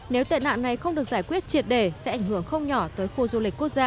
nếu tệ nạn này không được giải quyết triệt đề sẽ ảnh hưởng không nhỏ tới khu du lịch quốc gia